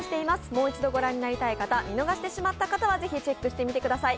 もう一度ご覧になりたい方見逃してしまった方はぜひチェックしてみてください。